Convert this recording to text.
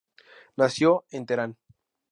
Nació en Teherán.